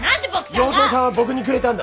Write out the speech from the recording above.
要造さんは僕にくれたんだ！